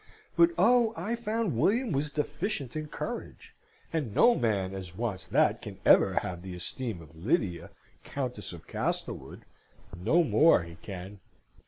but, oh! I found William was deficient in courage, and no man as wants that can ever have the esteem of Lydia, Countess of Castlewood, no more he can!